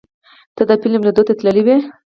ته د فلم لیدو ته تللی وې؟